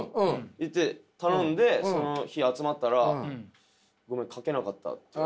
言って頼んでその日集まったら「ごめん書けなかった」って。